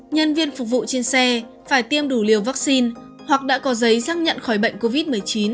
nhân viên phục vụ trên xe phải tiêm đủ liều vaccine hoặc đã có giấy xác nhận khỏi bệnh covid một mươi chín